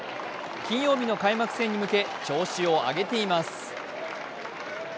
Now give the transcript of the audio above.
金曜日の開幕戦に向け調子を上げています。